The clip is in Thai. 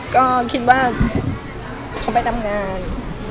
ก็คิดว่าเขาไปทำงาน